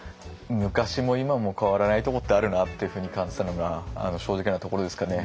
昔も今も変わらないとこってあるなっていうふうに感じたのが正直なところですかね。